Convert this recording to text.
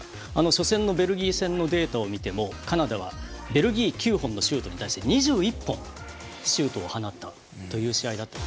初戦のベルギー戦のデータを見てもカナダはベルギー９本のシュートに対して２１本、シュートを放ったという試合でした。